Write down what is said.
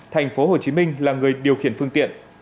thành phố hồ chí minh là người điều khiển phương tiện